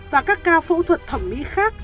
và các ca phẫu thuật thẩm mỹ khác